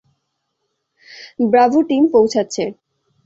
Bravo team পৌঁছাচ্ছে।